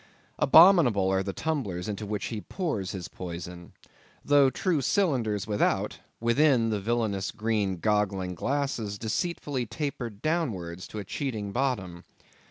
Abominable are the tumblers into which he pours his poison. Though true cylinders without—within, the villanous green goggling glasses deceitfully tapered downwards to a cheating bottom.